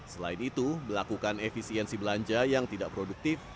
selain itu melakukan efisiensi belanja yang tidak produktif